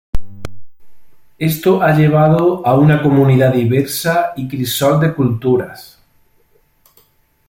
Esto ha llevado a una comunidad diversa y crisol de culturas.